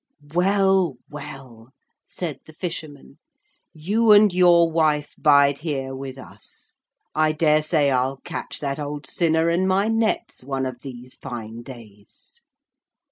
'Well, well,' said the fisherman, 'you and your wife bide here with us. I daresay I'll catch that old sinner in my nets one of these fine days.'